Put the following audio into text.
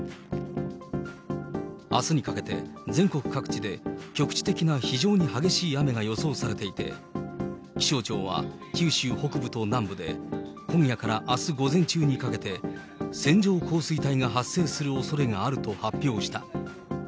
あすにかけて全国各地で局地的な非常に激しい雨が予想されていて、気象庁は九州北部と南部で今夜からあす午前中にかけて、線状降水帯が発生するおそれがあると発表した。